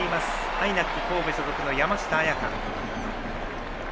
ＩＮＡＣ神戸所属の山下杏也加。